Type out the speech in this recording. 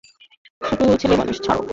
শুটু, ছেলেমানুষি ছাড়ো।